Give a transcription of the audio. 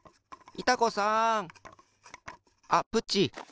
いた子さん？